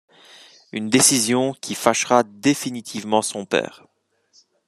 Une décision qui fâchera définitivement son père.